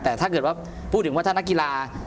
แต่ถ้าเกิดว่าพูดถึงว่าถ้านักกีฬา